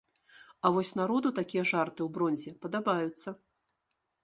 А вось народу такія жарты ў бронзе падабаюцца.